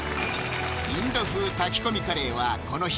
インド風炊き込みカレーはこの日